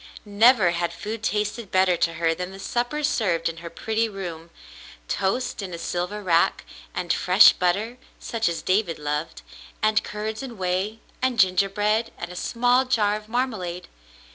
Never had food tasted better to her than the supper served in her pretty room, — toast in a silver rack, and fresh butter, such as David loved, and curds and whey, and gingerbread, and a small jar of marmalade.